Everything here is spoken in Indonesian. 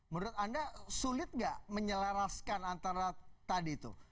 menurut anda sulit gak menyeleraskan antara tadi itu